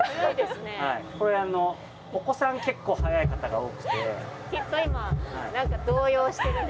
これお子さん結構速い方が多くて。